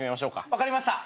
分かりました！